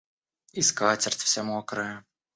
И скатерть вся мокрая.